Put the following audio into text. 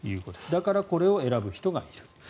だからこれを選ぶ人がいる。